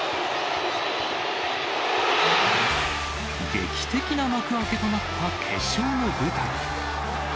劇的な幕開けとなった決勝の舞台。